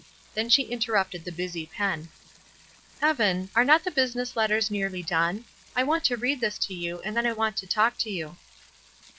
Then she interrupted the busy pen: "Evan, are not the business letters nearly done? I want to read this to you, and then I want to talk to you."